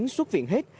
xuất viện hết